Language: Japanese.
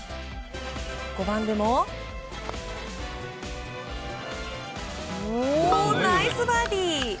５番でもナイスバーディー！